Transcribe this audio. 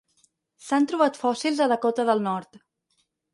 S'han trobat fòssils a Dakota del Nord.